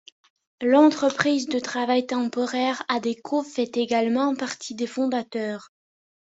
L'entreprise de travail temporaire Adecco fait également partie des fondateurs.